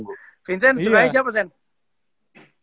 vincent sukanya siapa sen